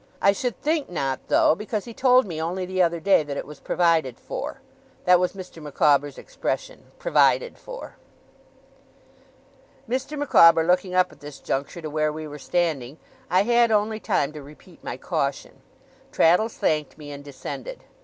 'I should think not, though, because he told me, only the other day, that it was provided for. That was Mr. Micawber's expression, "Provided for."' Mr. Micawber looking up at this juncture to where we were standing, I had only time to repeat my caution. Traddles thanked me, and descended.